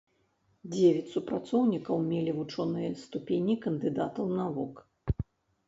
Дзевяць супрацоўнікаў мелі вучоныя ступені кандыдатаў навук.